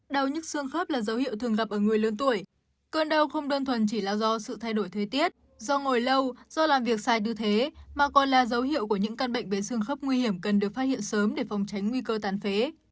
đau nhức xương khớp là dấu hiệu thường gặp ở người lớn tuổi cơn đau không đơn thuần chỉ là do sự thay đổi thời tiết do ngồi lâu do làm việc sai như thế mà còn là dấu hiệu của những căn bệnh về xương khớp nguy hiểm cần được phát hiện sớm để phòng tránh nguy cơ tàn phế